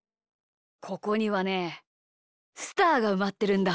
ここにはねスターがうまってるんだ。